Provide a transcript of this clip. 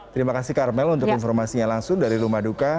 terima kasih karmel untuk informasinya langsung dari rumah duka